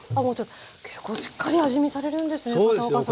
結構しっかり味見されるんですね片岡さん。